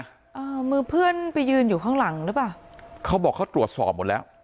อ่ามือเพื่อนไปยืนอยู่ข้างหลังหรือเปล่าเขาบอกเขาตรวจสอบหมดแล้ว